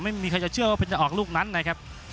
ไม่มีใครจะเชื่อว่าเป็นจะออกลูกนั้นนะครับ